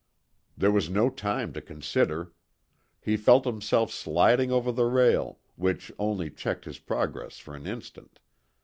There was no time to consider. He felt himself sliding over the rail, which only checked his progress for an instant.